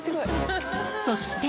そして。